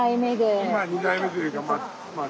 まあ２代目というかまあ